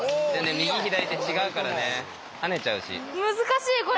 右左で違うからね跳ねちゃうし。